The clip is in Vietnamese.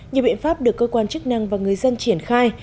nhiều biện pháp được cơ quan chức năng và người dân triển khai